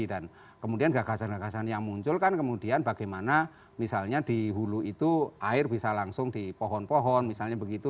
dan kemudian gagasan gagasan yang muncul kan kemudian bagaimana misalnya di hulu itu air bisa langsung di pohon pohon misalnya begitu